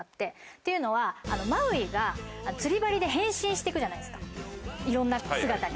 っていうのはマウイが釣り針で変身して行くじゃないですかいろんな姿に。